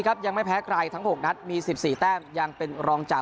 ครับยังไม่แพ้ไกลทั้งหกนัดมีสิบสี่แต้มยังเป็นรองจ่า